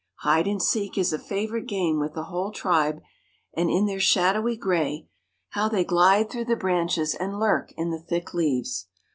Hide and seek is a favorite game with the whole tribe, and in their shadowy gray, how they glide through the branches and lurk in the thick leaves!